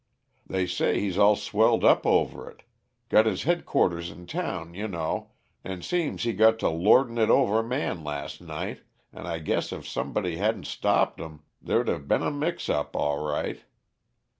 They say he's all swelled up over it got his headquarters in town, you know, and seems he got to lordin' it over Man las' night, and I guess if somebody hadn't stopped 'em they'd of been a mix up, all right.